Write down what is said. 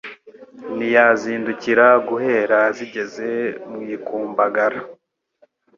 Ntiyazindukira guheraZigeze mu ikumbagara !